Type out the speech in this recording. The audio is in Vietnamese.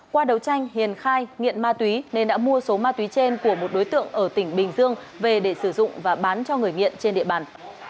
qua đấu tranh hiền khai nghiện ma túy nên đã mua số ma túy trên của một đối tượng ở tỉnh bình dương về để sử dụng và bán cho người nghiện trên địa bàn